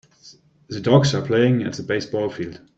The dogs are playing at the baseball field.